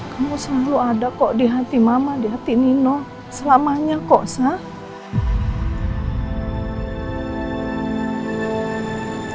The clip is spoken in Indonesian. kamu selalu ada kok di hati mama di hati nino selamanya kok sah